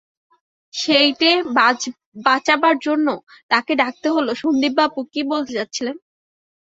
সেইটে বাঁচাবার জন্যে তাঁকে ডাকতে হল, সন্দীপবাবু, কী বলতে চাচ্ছিলেন?